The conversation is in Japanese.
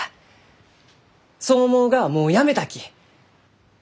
そう思うがはもうやめたき！